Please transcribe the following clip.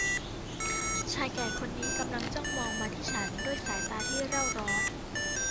ชายแก่คนนี้กำลังจ้องมองมาที่ฉันด้วยสายตาที่เร่าร้อน